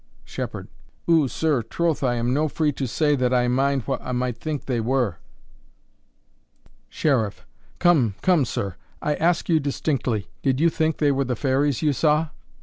Shepherd. Ou, sir, troth I am no that free to say that I mind wha I might think they were. Sheriff. Come, come sir! I ask you distinctly, did you think they were the fairies you saw?